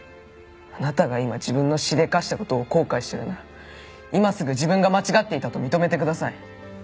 あなたが今自分のしでかした事を後悔してるなら今すぐ自分が間違っていたと認めてください。